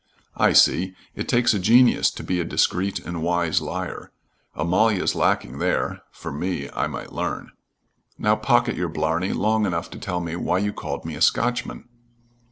"I see. It takes a genius to be a discreet and wise liar. Amalia's lacking there for me, I might learn. Now pocket your blarney long enough to tell me why you called me a Scotchman."